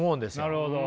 なるほど。